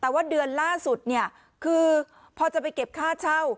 แต่ว่าเดือนล่าสุดเนี่ยคือพอจะไปเก็บค่าเช่า